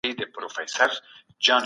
په وزارتونو کي باید د فساد مخه ونیول سي.